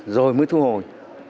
với thu hồi